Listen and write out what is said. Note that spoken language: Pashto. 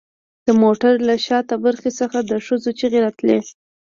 د موټر له شاته برخې څخه د ښځو چیغې راتلې